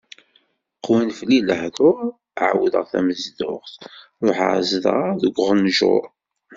Qwan fell-i lehḍur, ɛawdeɣ tamezduɣt, ruḥeɣ zedɣeɣ deg uɣenǧur.